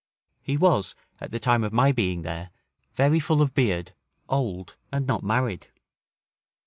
He was, at the time of my being there, very full of beard, old, and not married.